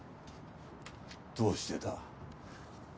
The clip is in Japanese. どうしてだ？